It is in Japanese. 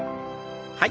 はい。